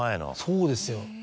そうですよ。